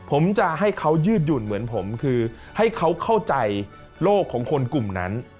ผมจะให้เขายืดหยุ่นเหมือนผมคือให้เขาเข้าใจโลกของคนกลุ่มนั้น